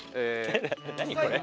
何これ。